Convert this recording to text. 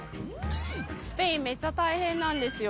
スペイン、めっちゃ大変なんですよ。